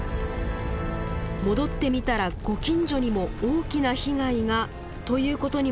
戻ってみたらご近所にも大きな被害がということにもなりかねません。